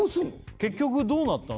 結局どうなったの？